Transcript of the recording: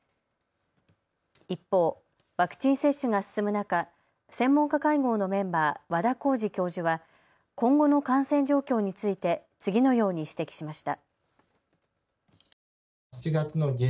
一方、ワクチン接種が進む中、専門家会合のメンバー、和田耕治教授は今後の感染状況について次のように指摘しました。